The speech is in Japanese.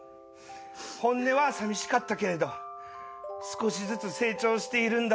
本音は寂しかったけれど少しずつ成長しているんだ！